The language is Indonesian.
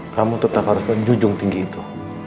kamu tetap harus menjunjung tinggi itu